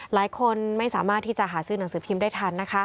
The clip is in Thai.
หลายคนไม่สามารถที่จะหาซื้อหนังสือพิมพ์ได้ทันนะคะ